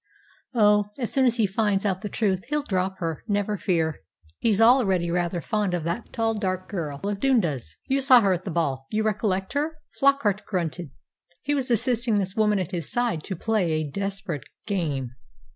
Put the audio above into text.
"Oh, as soon as he finds out the truth he'll drop her, never fear. He's already rather fond of that tall, dark girl of Dundas's. You saw her at the ball. You recollect her?" Flockart grunted. He was assisting this woman at his side to play a desperate game.